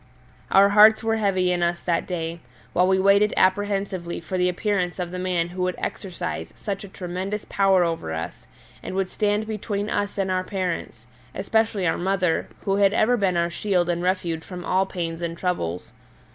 Our hearts were heavy in us that day, while we waited apprehensively for the appearance of the man who would exercise such a tremendous power over us and would stand between us and our parents, especially our mother, who had ever been our shield and refuge from all pains and troubles.